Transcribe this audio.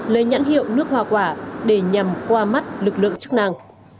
lấy nhãn hiệu nước hoa quả để nhằm qua mắt lực lượng chức năng